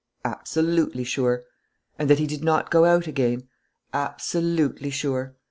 "Absolutely sure." "And that he did not go out again?" "Absolutely sure."